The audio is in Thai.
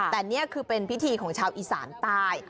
แต่นี่คือเป็นพิธีของชาวอีสานใต้